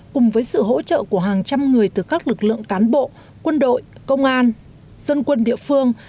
cùng với sự hỗ trợ của hàng trăm người từ các lực lượng cán bộ quân đội công an dân quân địa phương